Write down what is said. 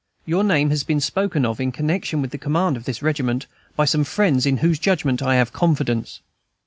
Your name has been spoken of, in connection with the command of this regiment, by some friends in whose judgment I have confidence.